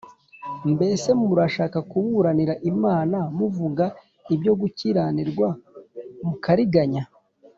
Mbese murashaka kuburanira Imana? Muvuga ibyo gukiranirwa mukariganya?